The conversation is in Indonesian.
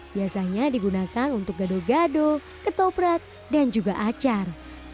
biasanya digunakan untuk gado gado ketoprat dan juga acar